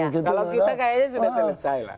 kalau kita kayaknya sudah selesai lah